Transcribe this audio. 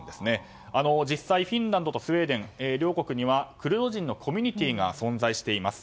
実際、フィンランドとスウェーデン両国にはクルド人のコミュニティーが存在しています。